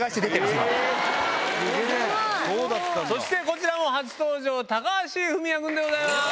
こちらも初登場高橋文哉君でございます。